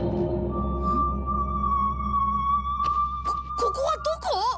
こここはどこ！？